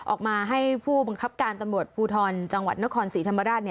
ออกมาให้ผู้บังคับการตำรวจภูทรจังหวัดนครศรีธรรมราช